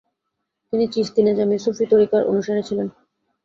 তিনি চিশতি নেজামী সুফি ত্বরিকার অনুসারী ছিলেন।